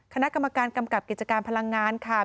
คณะกรรมการกำกับกิจการพลังงานค่ะ